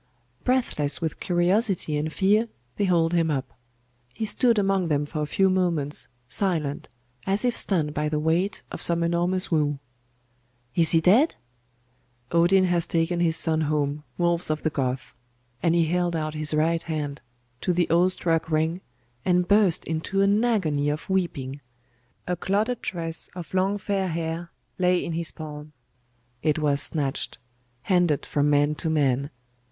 Breathless with curiosity and fear, they hauled him up. He stood among them for a few moments, silent, as if stunned by the weight of some enormous woe. 'Is he dead?' 'Odin has taken his son home, wolves of the Goths!' And he held out his right hand to the awe struck ring, and burst into an agony of weeping.... A clotted tress of long fair hair lay in his palm. It was snatched; handed from man to man....